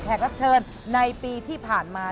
รับเชิญในปีที่ผ่านมา